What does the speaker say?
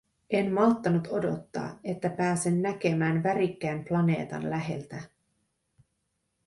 En malttanut odottaa, että pääsen näkemään värikkään planeetan läheltä.